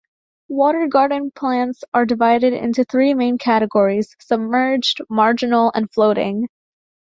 Water garden plants are divided into three main categories: submerged, marginal, and floating.